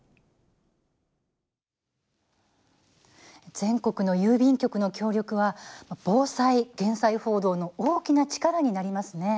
全国の郵便局の協力は防災・減災報道の大きな力になりますね。